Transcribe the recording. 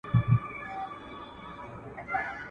خر په اته، کوټى ئې په شپېته.